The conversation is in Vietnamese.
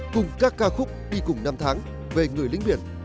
cùng các ca khúc đi cùng năm tháng về người lính biển